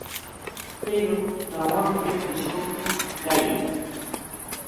Qirup hawampa pishqupa kayan.